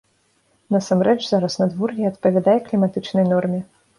Насамрэч зараз надвор'е адпавядае кліматычнай норме.